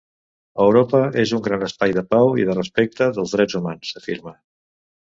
Europa és un gran espai de pau i de respecte dels drets humans, afirma.